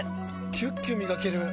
キュッキュ磨ける！